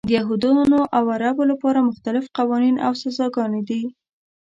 د یهودانو او عربو لپاره مختلف قوانین او سزاګانې دي.